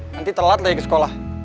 nanti telat lagi ke sekolah